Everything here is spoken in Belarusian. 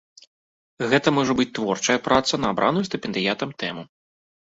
Гэта можа быць творчая праца на абраную стыпендыятам тэму.